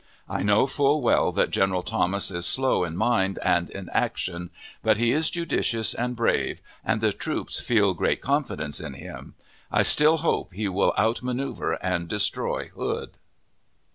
I know full well that General Thomas is slow in mind and in action; but he is judicious and brave and the troops feel great confidence in him. I still hope he will out manoeuvre and destroy Hood.